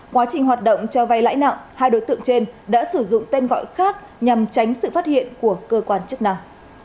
quá trình hoạt động cho vay lãi nặng hai đối tượng trên đã sử dụng tên gọi khác nhằm tránh sự phát hiện của cơ quan chức năng